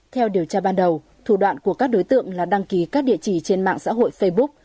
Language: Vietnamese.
theo điều tra ban đầu thủ đoạn của các đối tượng là đăng ký các địa chỉ trên mạng xã hội facebook